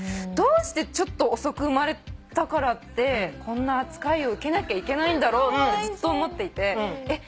どうしてちょっと遅く生まれたからってこんな扱いを受けなきゃいけないんだろうってずっと思っていて。